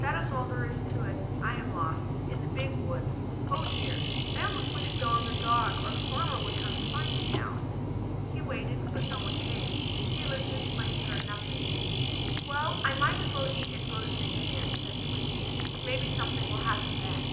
That is all there is to it I am lost in the big woods! Oh dear! I almost wish Don, the dog, or the farmer would come and find me now." He waited, but no one came. He listened but he heard nothing. "Well, I might as well eat and go to sleep again," said Squinty, "Maybe something will happen then."